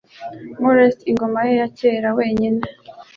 Molest ingoma ye ya kera wenyine.